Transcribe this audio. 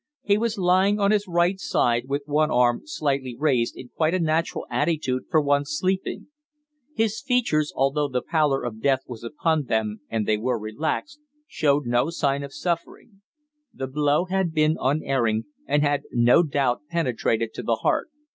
He was lying on his right side with one arm slightly raised in quite a natural attitude for one sleeping. His features, although the pallor of death was upon them and they were relaxed, showed no sign of suffering. The blow had been unerring, and had no doubt penetrated to the heart.